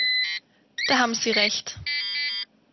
Da haben Sie Recht.